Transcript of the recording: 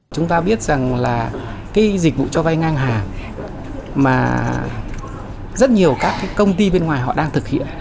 chúng ta biết rằng là cái dịch vụ cho vay ngang hàng mà rất nhiều các cái công ty bên ngoài họ đang thực hiện